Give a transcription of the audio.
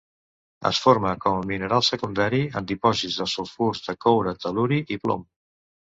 Es forma com a mineral secundari en dipòsits de sulfurs de coure, tel·luri i plom.